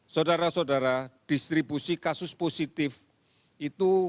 saudara saudara distribusi kasus positif itu